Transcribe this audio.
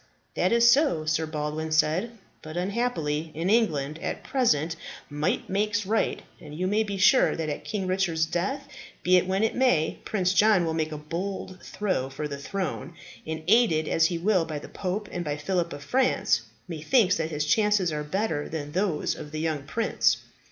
"That is so," Sir Baldwin said. "But, unhappily, in England at present might makes right, and you may be sure that at King Richard's death, be it when it may, Prince John will make a bold throw for the throne, and, aided as he will be by the pope and by Phillip of France, methinks that his chances are better than those of the young prince.